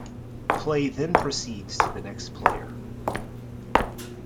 Play then proceeds to the next player.